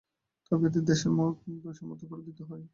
তবে এদের দেশের মত করে দিতে হয়।